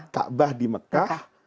ka'bah di mekah